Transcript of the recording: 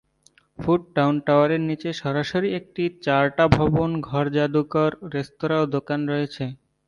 Foot town, টাওয়ারের নিচে সরাসরি একটি চার-টা ভবন, ঘর যাদুঘর, রেস্তোরাঁ ও দোকান রয়েছে।